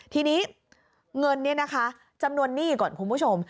ทีนี้เงินเนี่ยนะคะจำนวนหนี้ก่อนคุณผู้ชม